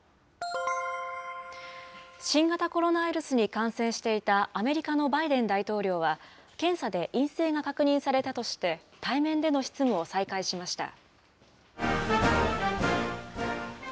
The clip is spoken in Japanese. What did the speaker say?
新型コロナウイルスに感染していたアメリカのバイデン大統領は、検査で陰性が確認されたとして、対面での執務を再開しました。